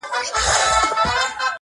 هغه له عرش څخه د هيچا ننداره نه کوي,